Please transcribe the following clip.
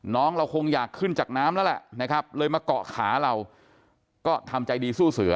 เราคงอยากขึ้นจากน้ำแล้วแหละนะครับเลยมาเกาะขาเราก็ทำใจดีสู้เสือ